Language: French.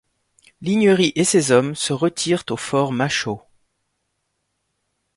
Lignery et ses hommes se retirent au Fort Machault.